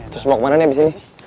terus mau kemana nih abis ini